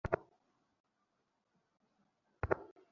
কখনো কি সেই পাত্রভর্তি পানি স্বতঃস্ফূর্ত বরফে পরিণত হতে দেখি?